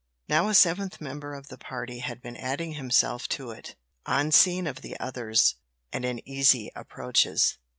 Now a seventh member of the party had been adding himself to it, unseen of the others, and in easy approaches.